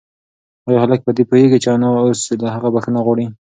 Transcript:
ایا هلک په دې پوهېږي چې انا اوس له هغه بښنه غواړي؟